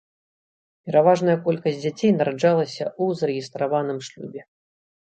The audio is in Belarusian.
Пераважная колькасць дзяцей нараджалася ў зарэгістраваным шлюбе.